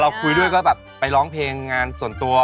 คุยด้วยก็แบบไปร้องเพลงงานส่วนตัว